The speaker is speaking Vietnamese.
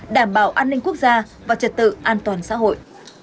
đảm bảo an ninh quốc gia và trật tự an toàn xã hội